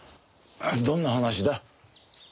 どんな話だ？